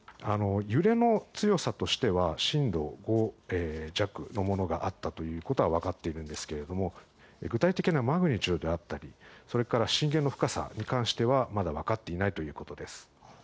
揺れの強さとしては震度５弱のものがあったということは分かっているんですけども具体的なマグニチュードであったりそれから震源の深さについては分かっていないということです。